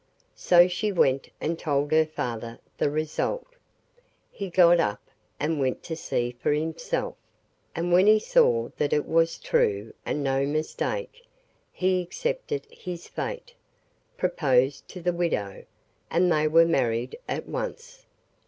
So she went and told her father the result. He got up and went to see for himself, and when he saw that it was true and no mistake, he accepted his fate, proposed to the widow, and they were married at once.